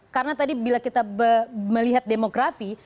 karena tadi bila kita melihat demografi